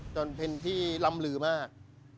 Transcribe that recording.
จนเป็นที่ล่ำลือมาก